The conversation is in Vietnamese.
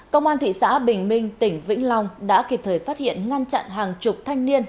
công an thị xã bình minh tỉnh vĩnh long đã kịp thời phát hiện ngăn chặn hàng chục thanh niên